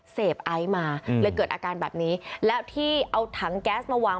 ไอซ์มาเลยเกิดอาการแบบนี้แล้วที่เอาถังแก๊สมาวาง